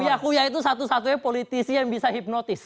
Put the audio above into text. yahuya itu satu satunya politisi yang bisa hipnotis